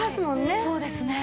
はいそうですね。